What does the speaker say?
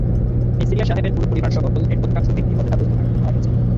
Neisseria সাহেবের পুরো পরিবারসহ কলোনির অধিকাংশ ব্যক্তি অজানা বস্তুর আঘাতে মারা গেছে।